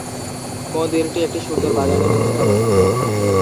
মন্দিরটি একটি সুন্দর বাগানের মধ্যে অবস্থিত।